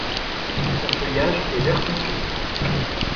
Son feuillage est vert foncé.